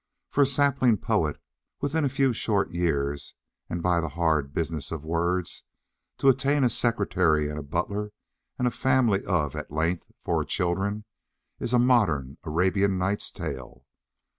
"For a sapling poet, within a few short years and by the hard business of words, to attain to a secretary and a butler and a family of, at length, four children, is a modern Arabian Nights Tale."